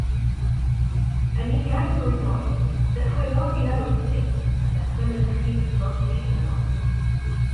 Yn ugain mlwydd oed dychwelodd i Lanwrtyd gan ddechrau mynychu Ysgol Sul yno.